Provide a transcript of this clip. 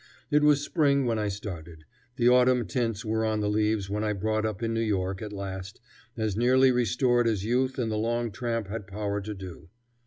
It was spring when I started; the autumn tints were on the leaves when I brought up in New York at last, as nearly restored as youth and the long tramp had power to do.